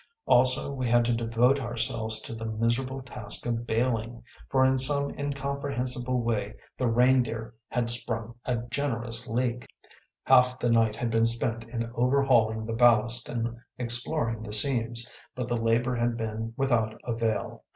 Also we had to devote ourselves to the miserable task of bailing, for in some incomprehensible way the Reindeer had sprung a generous leak. Half the night had been spent in overhauling the ballast and exploring the seams, but the labor had been without avail.